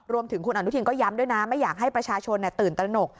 รวมถึงคุณอนุทินก็ย้ำด้วยนะไม่อยากให้ประชาชนตื่นตระหนก